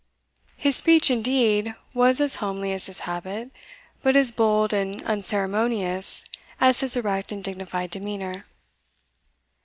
His speech, indeed, was as homely as his habit, but as bold and unceremonious as his erect and dignified demeanour.